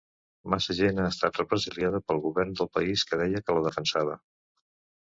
Massa gent ha estat represaliada pel govern del país que deia que la defensava.